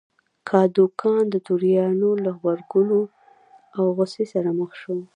کادوګان د توریانو له غبرګون او غوسې سره مخ شو.